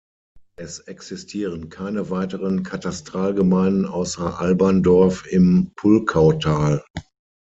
Es existieren keine weiteren Katastralgemeinden außer Alberndorf im Pulkautal.